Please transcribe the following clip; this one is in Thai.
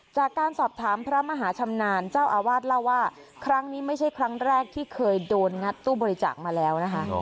จากการสอบถามพระมหาชำนาญเจ้าอาวาสเล่าว่าครั้งนี้ไม่ใช่ครั้งแรกที่เคยโดนงัดตู้บริจาคมาแล้วนะคะ